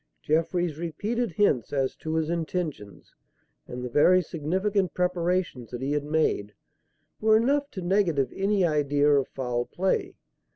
Jeffrey's repeated hints as to his intentions, and the very significant preparations that he had made, were enough to negative any idea of foul play.